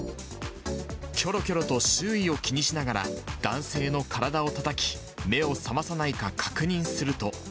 きょろきょろと周囲を気にしながら、男性の体をたたき、目を覚まさないか確認すると。